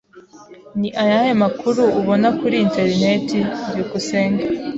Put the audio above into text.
Ni ayahe makuru ubona kuri interineti? byukusenge